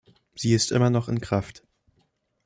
Sie ist noch immer in Kraft.